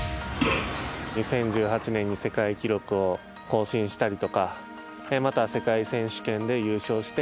２０１８年に世界記録を更新したりとかまた、世界選手権で優勝して